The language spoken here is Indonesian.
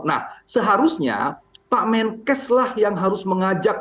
nah seharusnya pak menkes lah yang harus mengajak